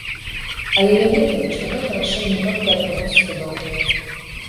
Але я ведаю, што гэта рашэнне толькі аднаго з судоў.